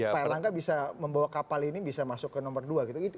pak erlangga bisa membawa kapal ini bisa masuk ke nomor dua gitu